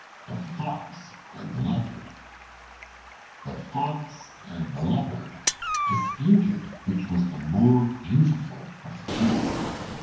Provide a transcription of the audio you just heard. The Fox and the Leopard THE FOX and the Leopard disputed which was the more beautiful of the two.